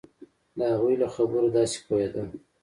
د هغوی له خبرو داسې پوهېده.